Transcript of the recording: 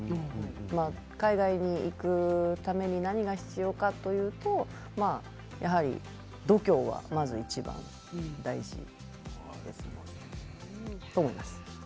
海外に行くために何が必要かというとやはり度胸がまずいちばん大事と思います。